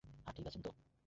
হ্যাঁ, ঠিক আছেন তো?